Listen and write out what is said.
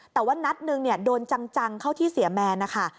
แต่ว่านัดหนึ่งเนี่ยโดนจังเข้าที่เสียแมนนะคะ